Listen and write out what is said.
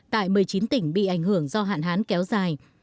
tại một mươi chín tỉnh bị ảnh hưởng do hạn hán kéo dài